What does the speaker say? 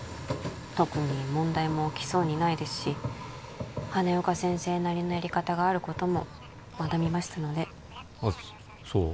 特に問題も起きそうにないですし羽根岡先生なりのやり方があることも学びましたのであっそう？